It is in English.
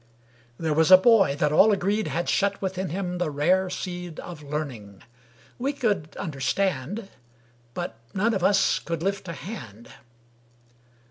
There was a boy that all agreed had shut within him the rare seed Of learning. We could understand, But none of us could lift a hand.